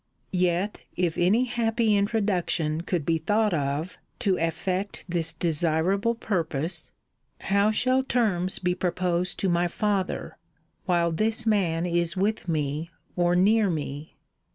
Yet if any happy introduction could be thought of to effect this desirable purpose, how shall terms be proposed to my father, while this man is with me, or near me?